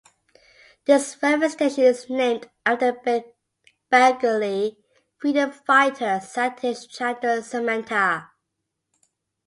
This railway station is named after Bengali freedom fighter Satish Chandra Samanta.